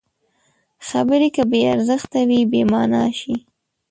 خبرې که بې ارزښته وي، بېمانا شي.